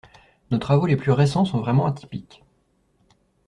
nos travaux les plus récents sont vraiment atypiques.